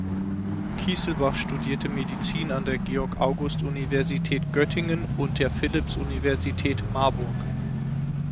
Kiesselbach studierte Medizin an der Georg-August-Universität Göttingen und der Philipps-Universität Marburg.